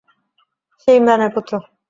হে ইমরানের পুত্র!